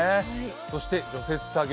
そして除雪作業